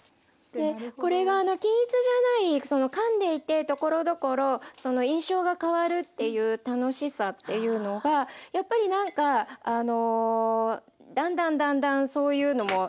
これが均一じゃないそのかんでいてところどころその印象が変わるっていう楽しさっていうのがやっぱりなんかあのだんだんだんだんそういうのも何というですかね。